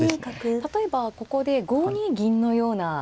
例えばここで５二銀のような。